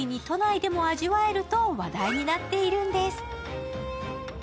ついに都内でも味わえると話題になっているんです。